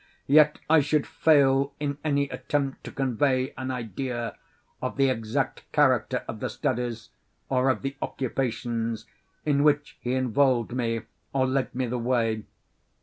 Yet I should fail in any attempt to convey an idea of the exact character of the studies, or of the occupations, in which he involved me, or led me the way.